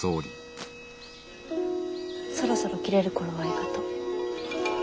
そろそろ切れる頃合いかと。